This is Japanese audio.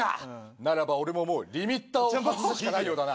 ならば俺ももう、リミッターを外すしかないようだな。